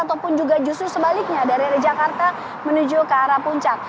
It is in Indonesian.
ataupun juga justru sebaliknya dari arah jakarta menuju ke arah puncak